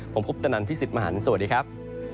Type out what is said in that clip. ผมพุพธนันทร์พิสิทธิ์มหาลสวัสดีครับ